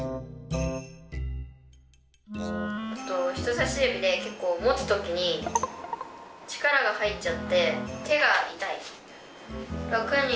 人さし指で結構持つ時に力が入っちゃって手が痛い。